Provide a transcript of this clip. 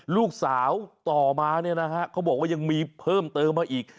ลูกสาวต่อมาเขาบอกว่ายังมีเพิ่มเติมมาอีก